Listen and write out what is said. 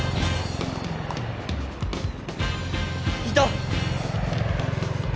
いた！